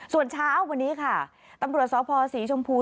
ส่วนเช้าวันนี้ค่ะตำรวจสพศรีชมพู